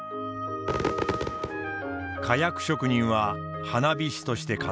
火薬職人は花火師として活躍。